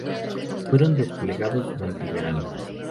Fueron desplegados durante el verano.